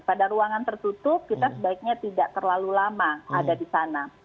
pada ruangan tertutup kita sebaiknya tidak terlalu lama ada di sana